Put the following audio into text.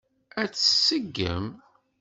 Ad t-tseggem?